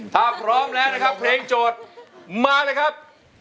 ถ้าพร้อมแล้วนะครับเพลงโจทย์มาเลยครับ